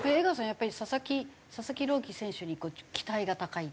やっぱり佐々木朗希選手に期待が高い？